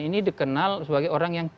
ini dikenal sebagai orang yang